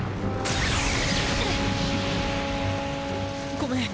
ごめん。